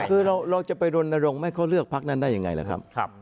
คือเราจะไปรณรงค์ให้เขาเลือกพักนั้นได้ยังไงล่ะครับ